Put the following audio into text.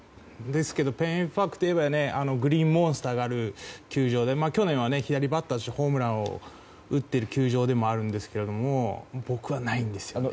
ですけどフェンウェイパークといえばグリーンモンスターがある球場で去年は左バッターとしてホームランを打っている球場でもありますが僕はないんですよね。